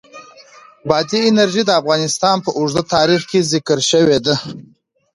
بادي انرژي د افغانستان په اوږده تاریخ کې ذکر شوې ده.